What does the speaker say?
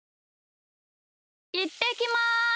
いってきます！